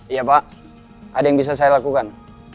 iya pak ada yang bisa saya lakukan